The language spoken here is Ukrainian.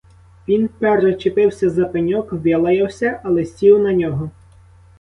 Він перечепився за пеньок, вилаявся, але сів на нього.